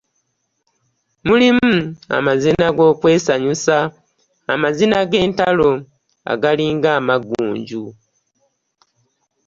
Mulimu amazina g’okwesanyusa, amazina g’entalo agalinga amaggunju.